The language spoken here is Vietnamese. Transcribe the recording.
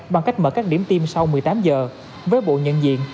bằng cách mở các điểm tiêm sau một mươi tám giờ với bộ nhận diện